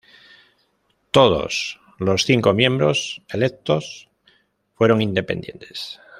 Todos los cinco miembros electos fueron independientes.